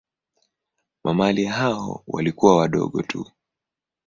Mamalia hao walikuwa wadogo tu.